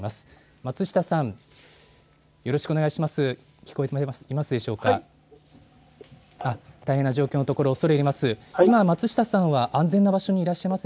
松下さん、よろしくお願いします。